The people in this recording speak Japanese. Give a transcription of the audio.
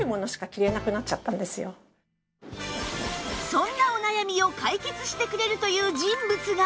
そんなお悩みを解決してくれるという人物が！